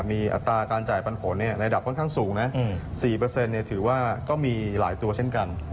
มีอัตราการจ่ายปันผลในระดับค่อนข้างสูงนะ๔ถือว่าก็มีหลายตัวเช่นกัน